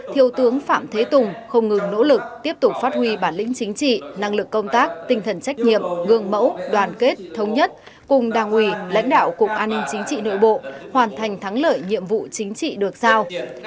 thiếu tướng phạm thế tùng không ngừng nỗ lực tiếp tục phát huy bản lĩnh chính trị năng lực công tác tinh thần trách nhiệm gương mẫu đoàn kết thống nhất cùng đảng ủy lãnh đạo cục an ninh chính trị nội bộ hoàn thành thắng lợi nhiệm vụ chính trị được sao